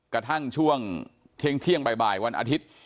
กระทั่งช่วงเที่ยงบ่ายวันอาทิตย์